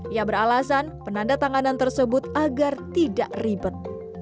ia beralasan penandatanganan tersebut agar tidak ribet